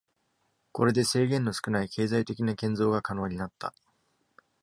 これで制限の少ない経済的な建造が可能になった。